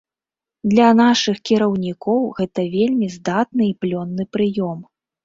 Для нашых кіраўнікоў гэта вельмі здатны і плённы прыём.